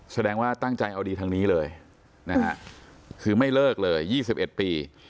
แสดงว่าตั้งใจเอาดีทางนี้เลยนะฮะคือไม่เลิกเลย๒๑ปี